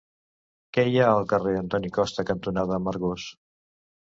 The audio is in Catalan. Què hi ha al carrer Antoni Costa cantonada Amargós?